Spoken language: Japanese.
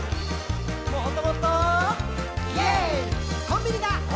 「コンビニだ！